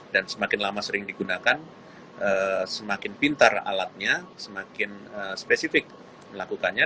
semakin lama sering digunakan semakin pintar alatnya semakin spesifik melakukannya